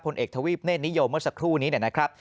เอกทวีปเนธนิยมเมื่อสักครู่นี้นะครับ